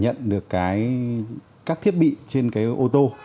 tôi cảm nhận được các thiết bị trên cái ô tô